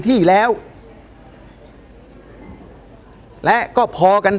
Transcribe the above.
ตอนต่อไป